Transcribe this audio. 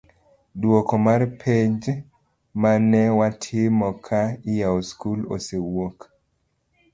duoko mar penj manewatimo ka iyawo skul osewuok